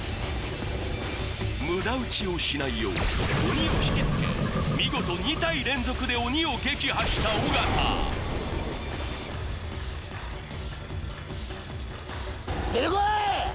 無駄撃ちをしないように鬼を引きつけ見事２体連続で鬼を撃破した尾形出てこい！